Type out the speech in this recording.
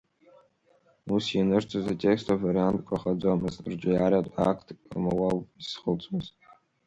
Ус ианырҵоз атекстқәа вариантқәахаӡомызт, рҿиаратә актк ауп изхылҵуаз.